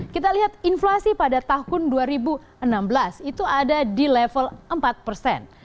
kita lihat inflasi pada tahun dua ribu enam belas itu ada di level empat persen